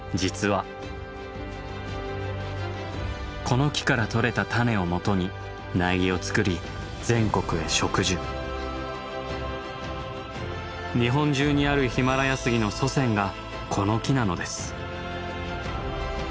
この木から取れた種をもとに苗木を作り日本中にあるヒマラヤスギの祖先がこの木なのです。